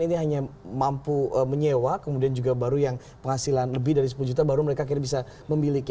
ini hanya mampu menyewa kemudian juga baru yang penghasilan lebih dari sepuluh juta baru mereka akhirnya bisa memiliki